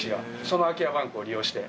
その空き家バンクを利用して。